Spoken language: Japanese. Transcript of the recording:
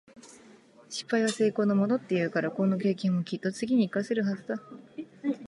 「失敗は成功のもと」って言うから、この経験もきっと次に活かせるはずだ。